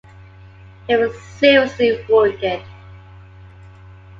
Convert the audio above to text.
He was seriously wounded.